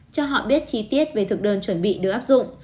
cho họ biết chi tiết về thực đơn chuẩn bị được áp dụng